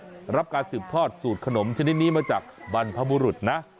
ได้รับการสืบทอดสูตรขนมชนิดนี้มาจากบรรพบุรุษนะ